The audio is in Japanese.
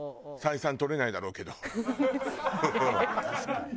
採算取れないだろうけど。ですね。